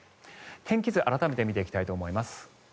天気図を改めて見ていきたいと思います。